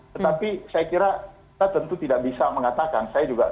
tetapi saya kira kita tentu tidak bisa mengatakan